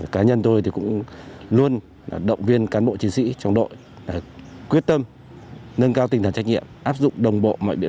cá nhân tôi cũng luôn động viên cán bộ chiến sĩ trong đội quyết tâm nâng cao tinh thần trách nhiệm